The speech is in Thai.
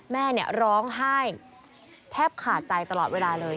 แม่ร้องไห้แทบขาดใจตลอดเวลาเลย